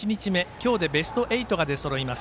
今日でベスト８が出そろいます。